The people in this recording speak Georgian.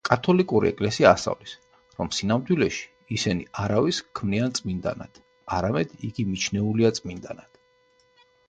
კათოლიკური ეკლესია ასწავლის, რომ სინამდვილეში, ისინი არავის ქმნიან წმინდანად, არამედ იგი მიჩნეულია წმინდანად.